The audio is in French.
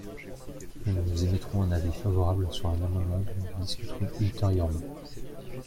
Mais nous émettrons un avis favorable sur un amendement dont nous discuterons ultérieurement.